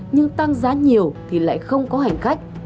nhưng tăng giá nhiều thì lại không có hành khách